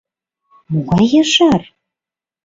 Могай яжар?